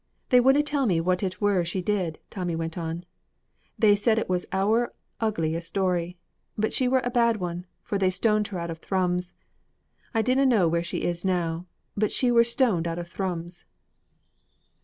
"They wouldna tell me what it were she did," Tommy went on; "they said it was ower ugly a story, but she were a bad one, for they stoned her out of Thrums. I dinna know where she is now, but she were stoned out of Thrums!"